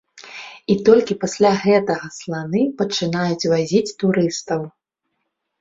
І толькі пасля гэтага сланы пачынаюць вазіць турыстаў.